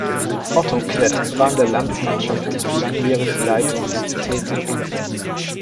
Otto Klett war in der Landsmannschaft langjährig leitend tätig.